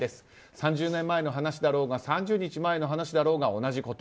３０年前の話だろうが３０日前の話だろうが同じこと。